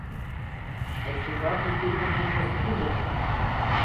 КъыпщыщӀар къызгурыӀуэркъым, укъысхуэцӀыхужкъым.